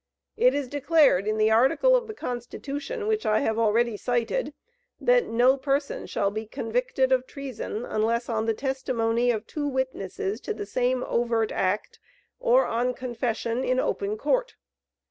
It is declared in the article of the constitution, which I have already cited, that 'no person shall be convicted of treason, unless on the testimony of two witnesses to the same overt act, or on confession in open court.'